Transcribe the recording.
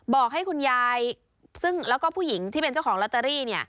บอกให้คุณยายซึ่งแล้วก็ผู้หญิงที่เป็นเจ้าของลอตเตอรี่เนี่ย